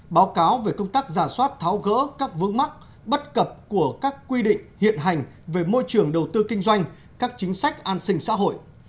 báo cáo về công tác giả soát tháo gỡ các vướng mắc bất cập của các quy định hiện hành về môi trường đầu tư kinh doanh các chính sách an sinh xã hội